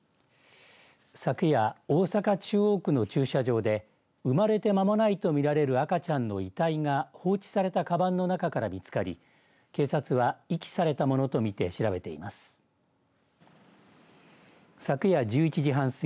昨夜、大阪、中央区の駐車場で生まれてまもないと見られる赤ちゃんの遺体が放置されたかばんの中から見つかり警察は、遺棄されたものと見て調べています。